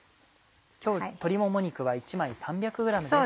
今日鶏もも肉は１枚３００ｇです。